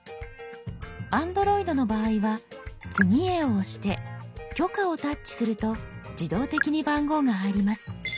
Ａｎｄｒｏｉｄの場合は「次へ」を押して「許可」をタッチすると自動的に番号が入ります。